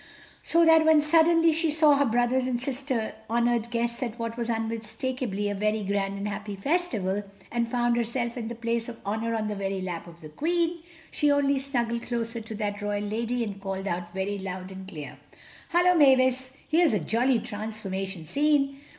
So that when suddenly she saw her brothers and sister honored guests at what was unmistakably a very grand and happy festival, and found herself in the place of honor on the very lap of the Queen, she only snuggled closer to that royal lady and called out very loud and clear, "Hullo, Mavis! Here's a jolly transformation scene.